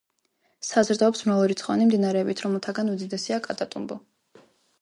საზრდოობს მრავალრიცხოვანი მდინარეებით, რომელთაგან უდიდესია კატატუმბო.